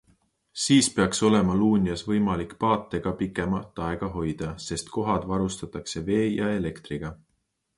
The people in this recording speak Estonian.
Siis peaks olema Luunjas võimalik paate ka pikemat aega hoida, sest kohad varustatakse vee ja elektriga.